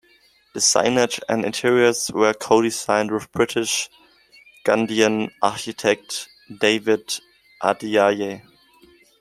The signage and interiors were co-designed with British-Ghanaian Architect David Adjaye.